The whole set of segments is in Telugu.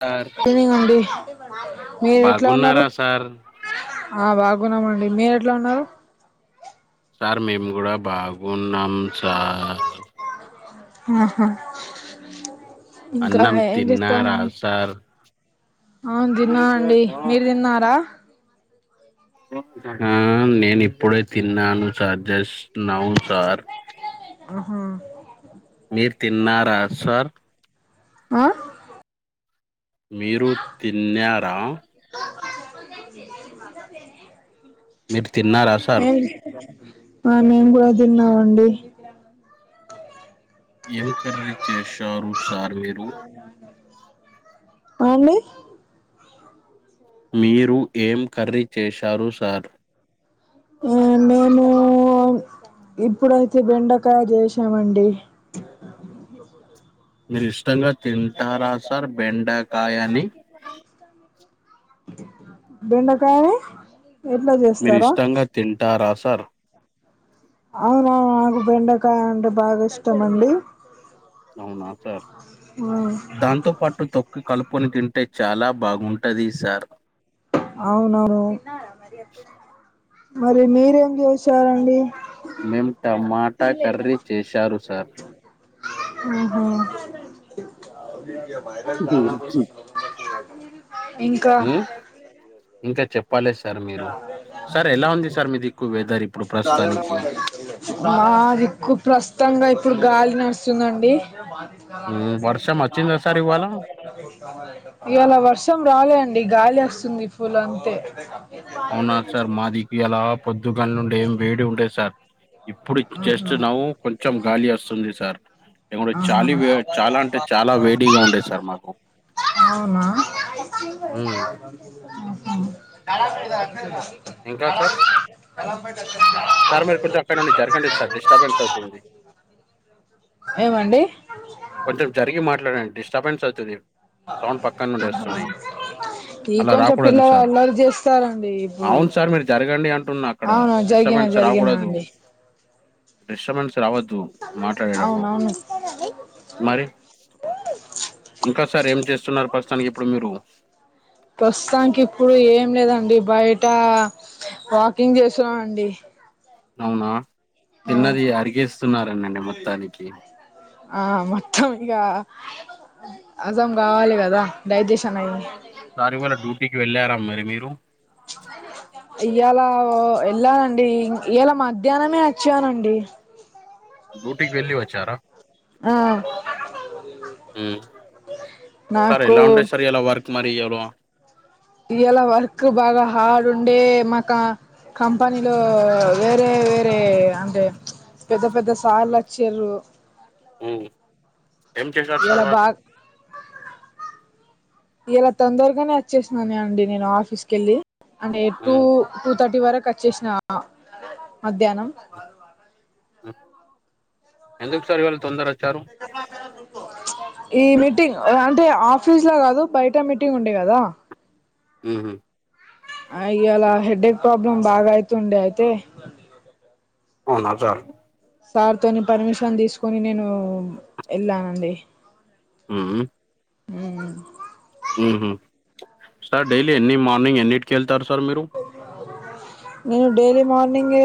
సార్ మీరెట్లా ఉన్నరు బాగున్నారా సార్ ఆ బాగున్నామండి మీరెట్ల ఉన్నరు సార్ మేము గూడా బాగున్నాం సార్ ఆహా ఇంకా అన్నం ఏం చేస్తాళ్ళు తిన్నారా మీర్ సార్ అవును దిన్నా అండి మీర్ తిన్నారా ఆ నేను ఇప్పుడే తిన్నాను సార్ జస్ట్ నౌ సార్ ఉమ్ హ్ మీర్ తిన్నారా సర్ ఆ మీరు తిన్యరా మీరు తిన్నారా సార్ ఏం ఆ మేము కూడ దిన్నామండి ఏం కర్రీ చేశారు సార్ మీరు హా అండి మీరు ఏం కర్రీ చేశారు సార్ మేము ఇప్పుడైతే బెండకాయ చేసామండి మీరు ఇష్టంగా తింటారా సార్ బెండక్ బెండకాయ మీరు ఇష్టంగా తింటారా సార్ అవునా నాకు బెండకాయ అంటే బాగా ఇష్టం అండి అవునా సార్ ఆ దాంతో పాటు తొ కలుపుకొని తింటే చాలా బాగుంటది సార్ అవునవును మరి మీరేం చేసారండి మేము టమాటా కర్రీ చేశారు సార్ ఆహా మా చాల ఉమ్ మ్మ్ ఇంకా చెప్పాలె స సార్ మీరు సార్ ఎలా ఉంది సార్ మీ దిక్కు వెదర్ ఇప్పుడు ప్రస్తుతానికి మాదిక్కు ప్రస్తుతంగా ఇప్పుడు గాలి నడుస్తుందండి ఆ ఉమ్ వర్షం వచ్చిందా సార్ ఇవాళ ఇయాల వర్షం రాలే అండి గాలి వస్తుంది పుల్ అంతే అవునా సార్ మాదికి అలా పొద్దుగన్న నుండే ఏం వేడి ఉండే సార్ ఇప్పుడు జస్ట్ నవ్వు కొంచెం గాలి వస్తుంది సార్ ఇ కూడా చాలీ ఆహా వే చాలా అంటే చాలా వేడిగా ఉండేది సార్ మాకు అవునా ఉమ్ ఇంకా సార్ ఆహా క కయి కబడ్చచోరి ఏమండి కొంచెం జరిగి మాట్లాడండి డిస్టర్బెన్స్ అవుతది ఈ అలా కొంచెం రాకూడదు పిల్లలు సార్ అల్లరి చేస్ అవును సార్ మీరు జరగండి అంటున్న అక్కడ అవును జరిగిన డిస్టర్బెన్స్ జరిగినా రాకూడదు అండి డిస్టర్బెన్స్ రావద్దు మాట్లాడేటప్పుడు డి మరి ఇంకా సార్ ఏం చేస్తున్నారు ప్రస్తుతానికి ఇప్పుడు మీరు ప్రస్తుతానికి ఇప్పుడు ఏం లేదండి బయట వాకింగ్ చేస్తున్నామండి అవునా ఆ తిన్నది అడిగేస్తున్నరండి మొత్తానికి ఆ మొత్తం ఇగా అజం కావాలి కదా డైజెషన్ అయ్యి దాని వల్ల డ్యూటీకి వెళ్ళారా మరి మీరు ఇయాల ఎల్లానండి ఇయాల మధ్యాహ్నమే వచ్చానండి డ్యూటీకి వెళ్లి వచ్చారా ఆ మ్మ్ సరే నాకు ఎలా ఉండే సార్ ఇయల వర్క్ మరి ఎవరో ఇయాల వర్క్ బాగా హార్డ్ ఉండే మాకా కంపనీలో వేరే వేరే అంటే పెద్ద పెద్ద సార్లొచ్చిర్రు మ్మ్ ఏం చేశారు ఇయాల సార్ వాళ్ళు బాగా ఇయాల తొందరగానే వచ్చేసిననే అండి నేను ఆఫీస్ కెళ్ళి అంటే టు ఉమ్. టూ థర్టీ వరకు అచ్చేసిన మధ్యాహ్నం ఎందుకు సార్ ఇవాళ తొందరొచ్చారు [unintelligible] ఈ మీటింగ్ అంటే ఆఫీస్ లో కాదు బయట మీటింగ్ ఉండే గదా ఊహు అ ఈయల హెడ్ఏక్ ప్రాబ్లమ్ బాగా అయితుండె అయితే అవునా సార్ సార్ తోని పర్మిషన్ తీసుకొని నేనూ ఎళ్ళానండి ఊహు ఊ ఊహు సార్ డైలీ ఎన్ని మార్నింగ్ ఎన్నింటికి ఎళ్తారు సార్ మీరు నేను డైలీ మార్నింగూ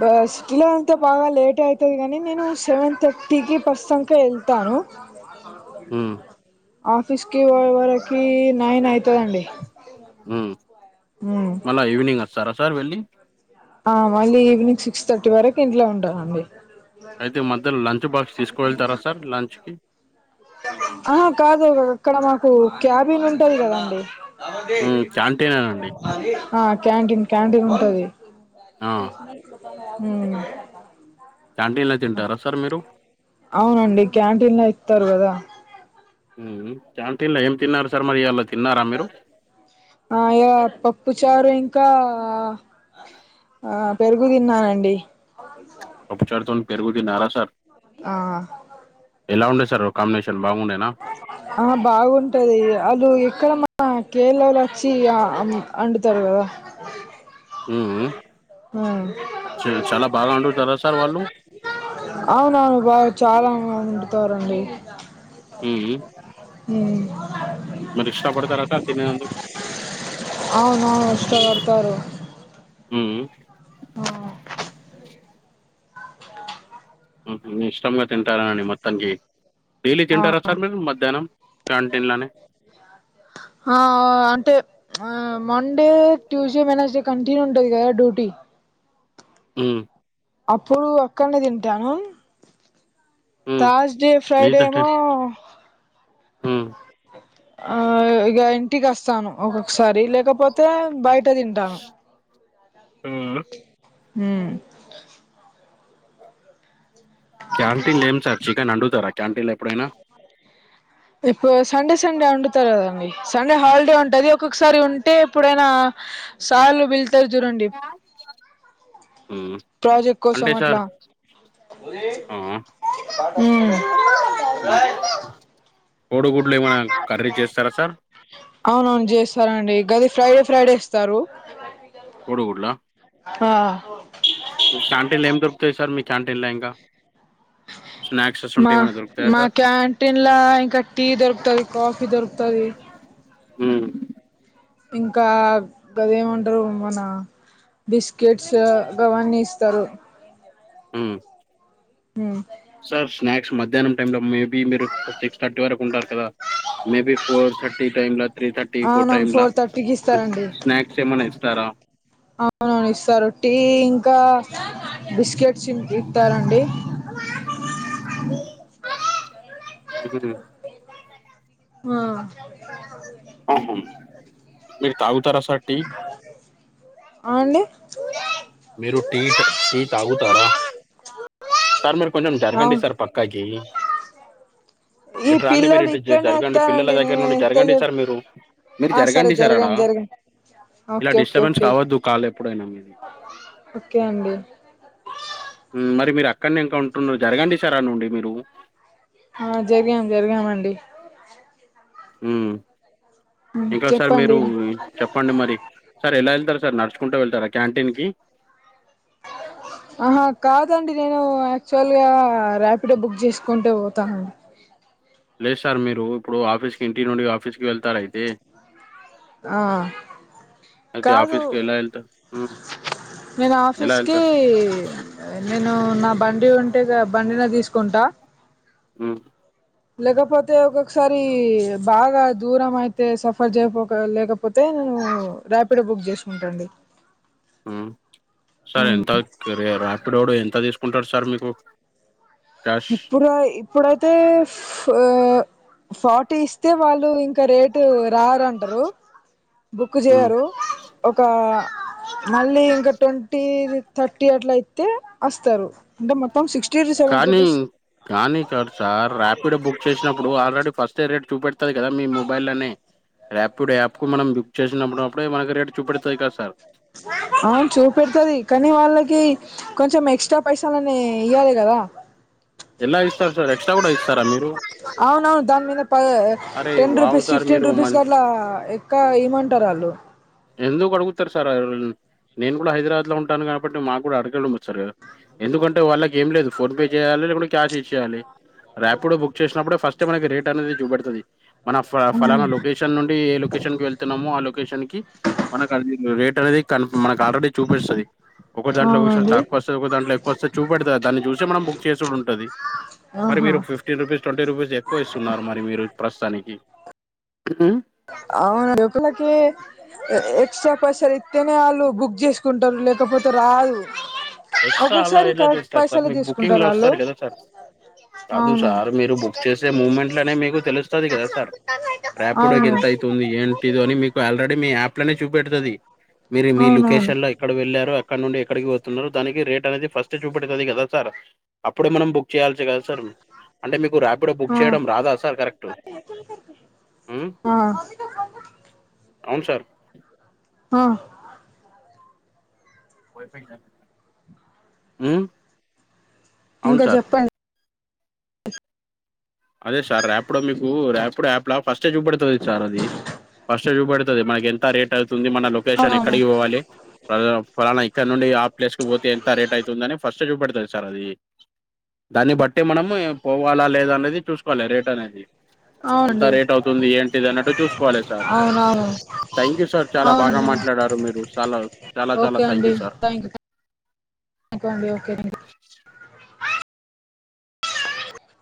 బస్ కిలో అంతే బాగా లేటె అయితది గానీ నేను సెవెన్ థర్టీకి బస్సంకే ఎళ్తాను హ్మ్ ఆఫీస్ కి పోయేవరకి నైన్ అయితదండి ఊమ్ ఊ మళ్ళ ఈవినింగ్ అస్తారా సార్ వెళ్ళి ఆ మళ్ళీ ఈవినింగ్ సిక్స్ థర్టీ వరకు ఇంట్లో ఉంటానండి అయితే మధ్యలో లంచ్ బాక్స్ తీసుకువెళతారా సార్ లంచ్ కి ఆహా కాదు ఇక్కడ మాకు క్యాబిన్ ఉంటది కదండి హ్మ్ క్యాంటీనేనండి ఆ క్యాంటీన్ క్యాంటీన్ ఉంటది ఆ ఊ క్యాంటీన్ల తింటారా సార్ మీరు అవునండి క్యాంటీన్ లో ఇత్తారు గదా ఊమ్ క్యాంటీన్ల ఏం తిన్నారు సార్ మరి ఈయల ఆ యా పప్పు చారు ఇంకా ఆ పెరుగు తిన్నానండి పప్పు చారు తోని పెరుగు తిన్నారా సార్ ఆ ఎలా ఉండే సార్ కాంబినేషన్ బాగుండేనా ఆ బాగుంటది ఆళ్లు ఇక్కడ మన కేరలోళ్ళు వొచ్చి అండుతారు కదా ఊ ఊ వండుతారా సార్ వాళ్ళు అవునవును బాగా చాలా వండుతారండి ఊమ్ మరి ఇష్టపడతారా సార్ తినేందుకు అవునవును ఇష్టపర్తారు ఊమ్ హా ఊహు ఇష్టంగా తింటారా అండి మొత్తం కి డైలీ తింటారా ఆ సార్ మీరు మధ్యాహ్నం క్యాంటీన్ లోనే హా అంటే ఆ మండే ట్యూస్డే వెడ్నెస్డే కంటిన్యూ ఉంటది కదా డ్యూటీ ఊ అప్పుడు అక్కడనే తింటాను హ్మ్ థర్స్‌డే ఫ్రైడే నేమో ఉమ్మ్ ఆ ఇగ ఇంటికి అస్తాను ఒక్కొక్కసారి లేకపోతే బయట్ ట దీంటనా ఉమ్ ఉమ్మ్ క్యాంటీన్లు ఏం సార్ చికెన్ అండుతారా క్యాంటీన్లు ఎప్పుడైనా ఇప్పు సండే సండే వండుతారు గదండీ సండే హాలిడే ఉంటది ఒక్కొక్కసారి ఉంటే ఇప్పుడైనా సార్లు పిల్తాలు జూడండి ఉమ్మ్ ప్రాజెక్ట్ కోసం అట్లా ఆ ఉమ్మ్ ఉమ్మ్ కోడుగుడ్లు ఏమన్నా కర్రీ జేస్తారా సార్ అవునవును జేస్తారండి గది ఫ్రైడే ఫ్రైడే ఇస్తారు కోడుగుడ్లా ఆ మీ క్యాంటీన్లా ఏం దొరుకుతాయి సార్ మీ క్యాంటీన్ల ఇంకా స్నాక్స్ మా అసువంటివి ఏమైనా దొరుకుతాయా మా సార్ క్యాంటీన్లా ఇంకా టీ దొరుకుతది కాఫీ దొరుకుతది ఉమ్మ్ ఇంకా గాదేమంటారు మన బిస్కెట్స్ గావన్నీ ఇస్తారు ఉమ్మ్ ఉమ్మ్ సార్ స్నాక్స్ మధ్యాహ్నం టైంలో మేబీ మీరు సిక్స్ థర్టీ వరకు ఉంటారు కదా మేబీ ఫోర్ థర్టీ టైమ్ లా త్రీ థర్టీ ఫోర్ అవునవును టైమ్ లా థర్టీకి ఉఫ్ ఇస్తారండి స్నాయాక్స్ ఏమన్నా ఇస్తారా అవునవును ఇస్తారు టీ ఇంకా బిస్కెట్స్ ఇ ఇన్ తారండి ఉమ్మ్ ఆ ఆహుమ్ మీరు తాగుతారు అసాట్ ఆ అండి మీరు టీట్ టీ తాగుతారా సార్ మీరు కొంచెం జరగండి అవును సార్ పక్కాకి ఈ ఇటు రండి మీరు పిల్లలు ఇటు జ ఇక్కడనే జరగండి పిల్లల వస్తారండి దగ్గర నేను నుండి ఎంత జరగండి చెప్ సార్ మీరు మీరు ఆ సరే జరగండి సార్ ఆడ జరగండి ఇలా ఓకే ఓకే డిస్టర్బెన్స్ ఓకే కావద్దు కాలు ఎప్పుడైనా మీది ఓకే అండి ఉమ్ మరి మీరు అక్కడనే ఇంకా ఉంటున్నారు జరగండి సార్ ఆడునుండి మీరు ఆ జరిగాం జరిగామండి ఉమ్మ్ మ్ ఇంకా సార్ మీరు చెప్పండి చెప్పండి మరి సార్ ఎలా వెళ్తారు సార్ నడుచుకుంటా వెళ్తారా క్యాంటీన్ కి ఆహా కాదండి నేను యాక్చువల్గా రాపిడో బుక్ జేసుకుంటు వోతాన్ లేదు సార్ మీరు ఇప్పుడు ఆఫీస్ కి ఇంటి నుండి ఆఫీస్ కి వెళ్తారయితే ఆ అయితే కాదు ఆఫీస్కి ఎలా వెళ్తారు ఉమ్, నేను ఎలా ఆఫీస్ కి వెళ్తారు నేను నా బండి ఉంటే ఇగా బండినే తీసుకుంటా ఉమ్మ్ లేకపోతే ఒకోక్కసారి బాగా దూరం అయితే సఫర్ జేయపోక లేకపో పోతే నేను రాపిడో బుక్ జేసుకుంటాండి ఉమ్మ్ ఎంత రాపిడోడు ఎంత తీసుకుంటాడు సార్ మీకు క్యాష్ ఇప్పడు దాయి ఇప్పుడైతే ఫ ఆ ఫార్టీ ఇస్తే వాళ్ళు ఇంక రేటు రాదంటరు బుక్ జేయరు ఒక మళ్ళీ ఇంక ట్వంటీ థర్టీ అట్ల ఇత్తే అస్తరు అంటే మొత్తం సిక్స్టీ టు సెవెంటీ కానీ రూపీస్ కానీ ఇక్కడ సార్ ర్యాపిడో బుక్ చేసినప్పుడు ఆల్రెడీ ఫస్ట్ తె రేట్ చూపెడుతది కదా మీ మొబైల్ లనే, రాపిడో యాప్ కు మనం బుక్ చేసినప్పు అప్పుడే మనక్ రేట్ చూపెడతది కద సార్ అవున్ చూపెడుతది కనీ వాళ్ళకి కొంచెం ఎక్స్ట్రా పైసాలని ఇయ్వాలి గదా ఎలా ఇస్తారు సార్ ఎక్స్ట్రా కూడ ఇస్తారా మీరు అవునవును దాని మీద ప అరే ten wow rupees, sir fifteen మీరు రూపీస్ మన్ గట్లా ఎక్కువ ఇయమంటరు వాళ్ళు ఎందుకు అడుగుతరు సార్ ఆల్, నేను గూడ హైదరాబాద్ ల ఉంటాను గాబట్టి మాగ్గుడ అడగడం వచ్తది గద ఎందుకంటే వాళ్ళకి ఏం లేదు ఫోన్ పే జేయాల లేకుంటే క్యాష్ ఇచ్చేయాలి రాపిడో బుక్ జేసినప్పుడు ఫస్టే మనకి రేట్ అనేది చూపెడతది మన ఫ ఫలానా లొకేషన్ నుండి ఏ లొకేషన్ కి వెళ్తున్నామో ఆ లొకేషన్ కి మనకది రేట్ అనేది కన్ మనకి ఆల్రెడీ చూపిస్తది ఒక దాంట్ల ఒకొక్సారి అవునండి తక్వ వస్తది ఒకోక్దంట్ల ఎక్కువస్తది చూపెడతది దాన్ని జూసే మనం బుక్ చేసుడుం ది మరి మీరు ఆహా ఫ్ ఫిఫ్టీన్ రూపీస్, ట్వంటీ రూపీస్ ఎక్కువ ఇస్తున్నారు మరి మీరు ప్రస్తుతానికి అవును లోపలకి ఎ ఎక్స్ట్రా పైసలు ఇత్తెనే ఆళ్ళు బుక్ జెసుకుంటరు లేకపోతే రాదు ఎక్స్ట్రా అలా ఒక్కొక్కసారి ఎలా కరెక్ట్ చేస్తరు సార్ పైసలు మీకు బుకింగ్ తీసుకుంటారు లో వాళ్ళు వస్తది కదా సార్ కాదు అవును సార్ మీరు బుక్ చేసే మూమెంట్లనే మీకు తెలుస్తది కదా సార్ రాప్ ప్పుడుదాక అవును ఎంత అయితుంది ఏంటిదని మీకు ఆల్రెడీ మీ యాప్ లనే చూపెడుతది. మీరు మీ అవునవును లొకేషన్ ల ఎక్కడ వెళ్ళారో అక్కడ నుండి ఎక్కడికి పోతున్నరో దానికి రేట్ అనేది ఫస్ట్ ఎ చూపెడుతది కదా సార్ అప్పుడే మనం బుక్ చేయల్సే కదా సార్ అంటే మీకు రాపిడో ఆ బుక్ చేయడం రాదా సార్ కరెక్ట్ మ్మ్ ఆ అవును సార్ ఆ ఉమ్ ఇంక జెప్పండి అదే సార్ ర్యాపిడో మీకు ర్యాపిడో యాప్ లా ఫస్టే చూపెడుత్ తది సార్ అది ఫస్ట్ ఎ చూపెడుతది మనకి ఎంత రేట్ అవుతుంది మన లొకేషన్ అవునవును ఎక్కడికి పోవాలే ప ఫలానా ఇక్కడ నుండి ఆ ప్లేస్ కు పోతే ఎంత రేట్ అయితుందని ఫస్ చూపెడుతది సార్ అది, దాన్ని బట్టే మనం పోవాలా లేద అన్నది చూసుకోవాలి రేట్ అనేది ఇంత అవునండి రేట్ అవుతుంది ఏంటిదన్నట్టు చూసుకోవాలె సార్ అవునవును థ్యాంక్ యూ సార్ చాలా బాగా అవునండి మాట్లాడారు మీరు, చాలా చాలా చాలా ఓకే థ్యాంక్ యూ సార్ నుకోండి ఓకె నండి